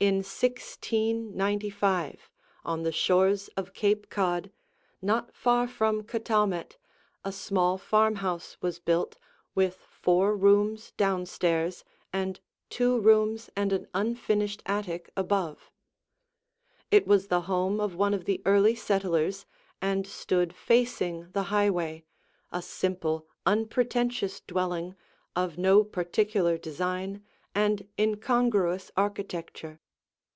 In 1695, on the shores of Cape Cod, not far from Cataumet, a small farmhouse was built, with four rooms down stairs and two rooms and an unfinished attic above. It was the home of one of the early settlers and stood facing the highway, a simple, unpretentious dwelling of no particular design and incongruous architecture.